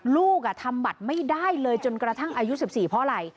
ลูกทำบัตรไม่ได้เลยจนกระทั่งอายุ๑๔เพราะอะไร